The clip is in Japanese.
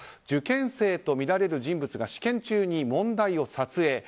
受験生とみられる人物が試験中に問題を撮影。